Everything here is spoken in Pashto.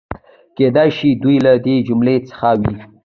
کېدای شي دوی له دې جملې څخه وي.